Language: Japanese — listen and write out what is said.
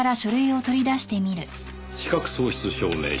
「資格喪失証明書」